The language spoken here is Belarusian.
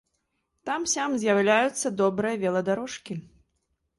Там-сям з'яўляюцца добрыя веладарожкі.